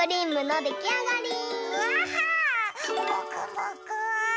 もくもく。